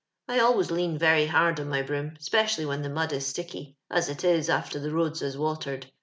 I always lean very hord on my broom, 'speci ally wheu the mud is sticky* as it is after the roads is watered.